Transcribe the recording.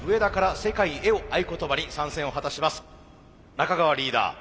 中川リーダー